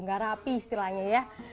nggak rapi istilahnya ya